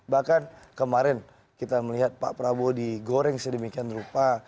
bahkan kemarin kita melihat pak prabowo digoreng sedemikian rupa